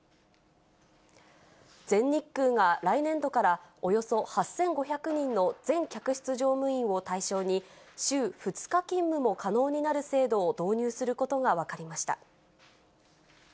全日空が来年度から、およそ８５００人の全客室乗務員を対象に、週２日勤務も可能になる制度を導入することが分かりました。